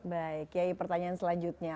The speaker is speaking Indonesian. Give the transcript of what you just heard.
baik yai pertanyaan selanjutnya